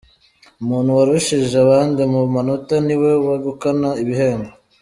Umuntu warushije abandi mu manota niwe wegukana ibihembo.